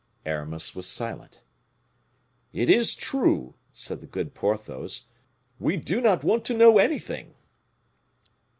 Aramis was silent. "It is true," said the good Porthos, "we do not want to know anything."